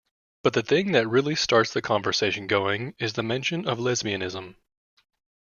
But the thing that really starts the conversation going is the mention of lesbianism.